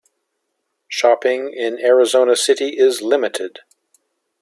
Shopping in Arizona City is limited.